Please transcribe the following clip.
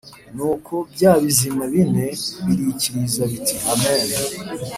Nuko bya bizima bine birikiriza biti “Amen!”